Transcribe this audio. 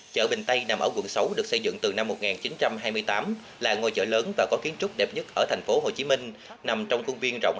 chợ bình tây nằm ở quận sáu được xây dựng từ năm một nghìn chín trăm hai mươi tám là ngôi chợ lớn và có kiến trúc đẹp nhất ở thành phố hồ chí minh nằm trong cung viên rộng hai mươi năm m hai